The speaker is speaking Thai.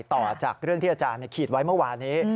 ต่อจากเรื่องที่อาจารย์ขีดไว้เมื่อวานี้